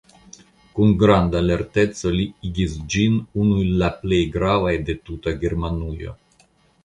Kun granda lerteco li igis ĝin unu el la plej gravaj de tuta Germanujo.